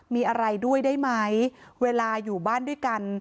มีอะไรด้วยได้ไหมเวลาอยู่บ้านด้วยกัน